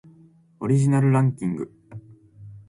オリジナルランキング